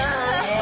え？